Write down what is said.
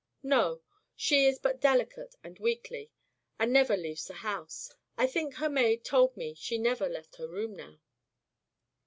"No; she is but delicate and weakly, and never leaves the house. I think her maid told me she never left her room now."